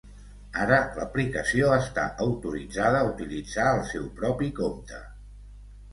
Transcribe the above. Ara l'aplicació està autoritzada a utilitzar el seu propi compte!